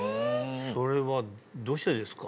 それはどうしてですか？